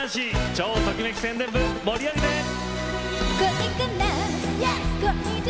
超ときめき宣伝部が盛り上げます。